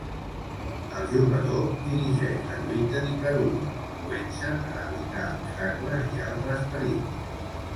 El jugador dirigeix la lluita d'Ikaruga, movent-se per a evitar obstacles i altres perills.